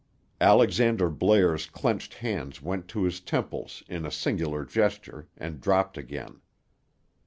Alexander Blair's clenched hands went to his temples in a singular gesture, and dropped again.